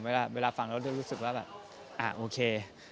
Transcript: เพราะว่าเวลาฟังแล้วจะรู้สึกว่าแบบอ่ะโอเค